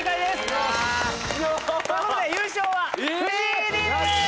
よし！ということで優勝は藤井Ｄです！